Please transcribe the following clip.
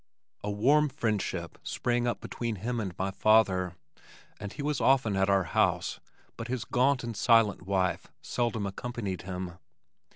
A warm friendship sprang up between him and my father, and he was often at our house but his gaunt and silent wife seldom accompanied him.